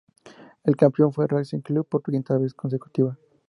El campeón fue Racing Club por quinta vez consecutiva.